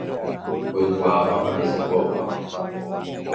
oikuaápa ma'éichapa opa